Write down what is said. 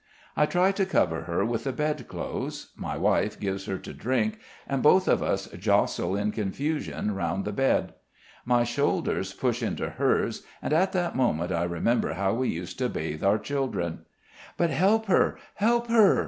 I try to cover her with the bedclothes; my wife gives her to drink; and both of us jostle in confusion round the bed. My shoulders push into hers, and at that moment I remember how we used to bathe our children. "But help her, help her!"